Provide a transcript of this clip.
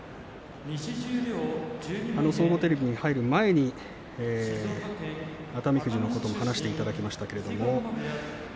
総合テレビに入る前に熱海富士のことを話していただきました。